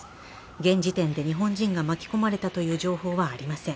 現時点で日本人が巻き込まれたという情報はありません。